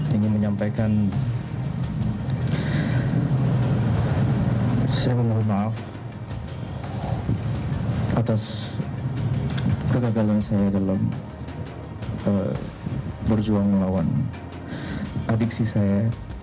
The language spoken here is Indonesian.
ingin menyampaikan saya mohon maaf atas kegagalan saya dalam berjuang melawan adiksi saya